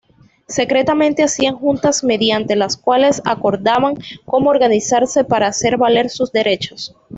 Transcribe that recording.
Secretamente hacían "juntas" mediante las cuales acordaban como organizarse para hacer valer sus derechos.